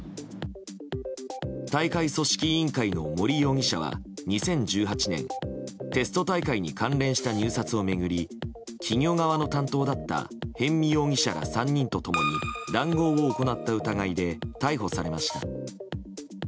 大会組織委員会の森容疑者は２０１８年テスト大会に関連した入札を巡り企業側の担当だった逸見容疑者ら３人と共に談合を行った疑いで逮捕されました。